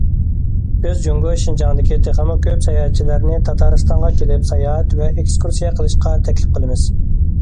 بىز جۇڭگو شىنجاڭدىكى تېخىمۇ كۆپ ساياھەتچىلەرنى تاتارىستانغا كېلىپ ساياھەت ۋە ئېكسكۇرسىيە قىلىشقا تەكلىپ قىلىمىز.